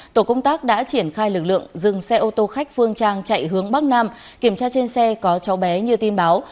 tổ công tác đã triển khai lực lượng dừng xe ô tô khách phương trang chạy hướng bắc nam kiểm tra trên xe có cháu bé như tin báo